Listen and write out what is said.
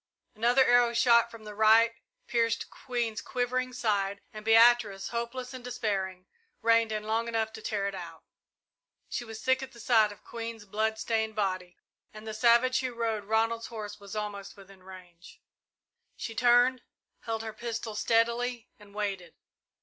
Another arrow, shot from the right, pierced Queen's quivering side, and Beatrice, hopeless and despairing, reined in long enough to tear it out. She was sick at the sight of Queen's blood stained body and the savage who rode Ronald's horse was almost within range. She turned, held her pistol steadily, and waited.